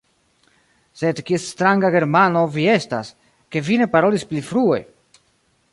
Sed kia stranga Germano vi estas, ke vi ne parolis pli frue!